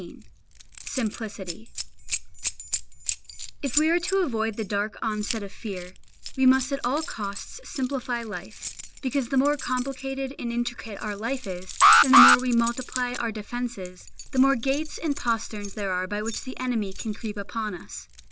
XVII SIMPLICITY If we are to avoid the dark onset of fear, we must at all costs simplify life, because the more complicated and intricate our life is, and the more we multiply our defences, the more gates and posterns there are by which the enemy can creep upon us.